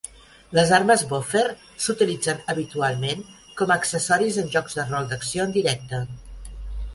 Les armes Boffer s'utilitzen habitualment com a accessoris en jocs de rol d'acció en directe.